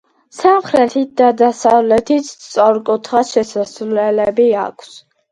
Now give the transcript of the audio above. სამხრეთით და დასავლეთით სწორკუთხა შესასვლელები აქვს.